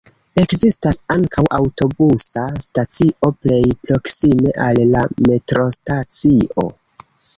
Ekzistas ankaŭ aŭtobusa stacio plej proksime al la metrostacio.